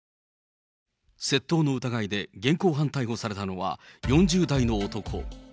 窃盗の疑いで現行犯逮捕されたのは、４０代の男。